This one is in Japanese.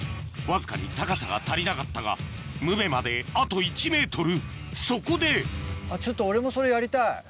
わずかに高さが足りなかったがムベまであと１ｍそこでちょっと俺もそれやりたい。